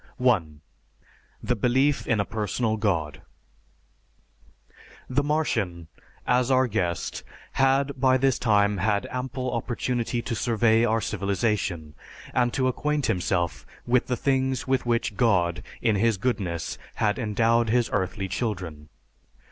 (1) The belief in a personal God: The Martian, as our guest, had by this time had ample opportunity to survey our civilization, and to acquaint himself with the things with which God in His goodness had endowed His earthly children.